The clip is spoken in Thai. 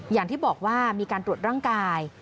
อย่างที่บอกว่ามีการตรวจร่างกาย